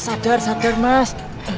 oi sadar sadar mas